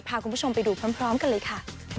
พาคุณผู้ชมไปดูพร้อมกันเลยค่ะ